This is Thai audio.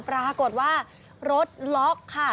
ปรากฏว่ารถล็อกค่ะ